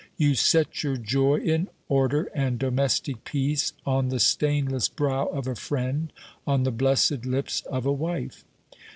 You set your joy in order and domestic peace, on the stainless brow of a friend, on the blessed lips of a wife.